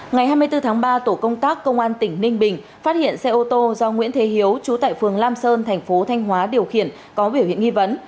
ngày hai mươi bốn tháng ba tổ công tác công an tỉnh ninh bình phát hiện xe ô tô do nguyễn thế hiếu trú tại phường lam sơn thành phố thanh hóa điều khiển có biểu hiện nghi vấn